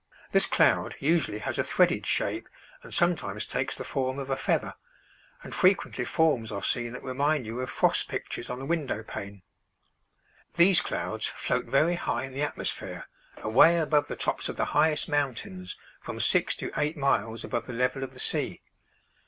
This cloud usually has a threaded shape and sometimes takes the form of a feather, and frequently forms are seen that remind you of frost pictures on a window pane. These clouds float very high in the atmosphere, away above the tops of the highest mountains, from six to eight miles above the level of the sea.